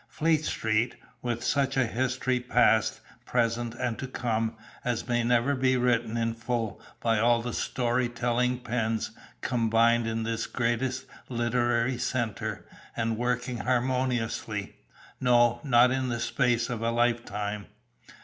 Fleet Street, with such a history past, present, and to come, as may never be written in full by all the story telling pens combined in this greatest literary centre, and working harmoniously; no, not in the space of a lifetime.